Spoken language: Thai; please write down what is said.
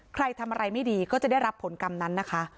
ใครทำอะไรไม่ดีก็จะได้รับผลกรรมนั้นนะคะ